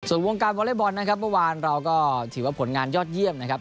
ส่วนวงการวอเล็กบอลนะครับเมื่อวานเราก็ถือว่าผลงานยอดเยี่ยมนะครับ